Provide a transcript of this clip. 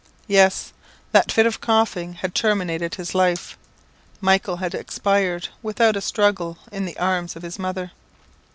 Yes! that fit of coughing had terminated his life Michael had expired without a struggle in the arms of his mother.